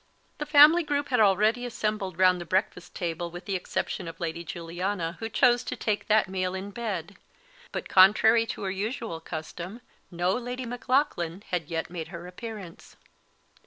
The family group had already assembled round the breakfast table, with the exception of Lady Juliana, who chose to take that meal in bed; but, contrary to her usual custom, no Lady Maclaughlan had yet made her appearance.